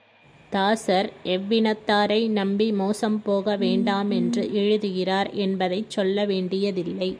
தாசர் எவ்வினத்தாரை நம்பி மோசம் போக வேண்டாமென்று எழுதுகிறார் என்பதைச் சொல்ல வேண்டியதில்லை.